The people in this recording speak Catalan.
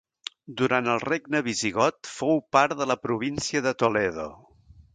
Durant el regne visigot fou part de la província de Toledo.